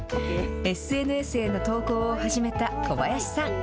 ＳＮＳへの投稿を始めた小林さん。